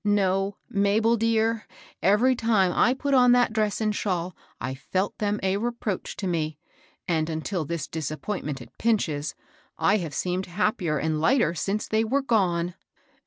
No, Mabel dear, eve^ tim^ I put on that dress and shawl I felt them a reproach to me, and, until this (Usappointment at Pinch's, I haye seemed MR. PINCH AND COMPANY. 367 happier and lighter since they were gone.